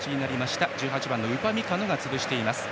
１８番のウパミカノがつぶしています。